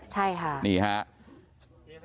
ใช่ค่ะนี่ครับ